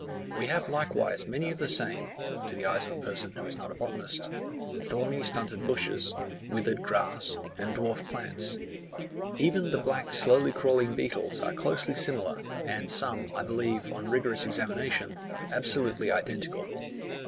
We have likewise many of the same (to the eyes of a person who is not a botanist) thorny stunted bushes, withered grass, and dwarf plants. Even the black slowly crawling beetles are closely similar, and some, I believe, on rigorous examination, absolutely identical.